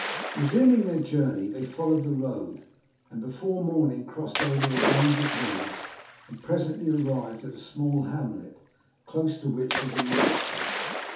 Resuming their journey they followed the road, and before morning crossed over a range of hills, and presently arrived at a small hamlet close to which was a monastery.